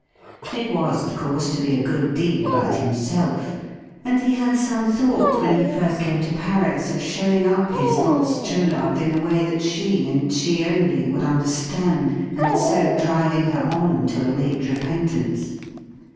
It was, of course, to be a good deal about himself; and he had some thought when he first came to Paris of showing up his false true love in a way that she and she only would understand, and so driving her on to a late repentance.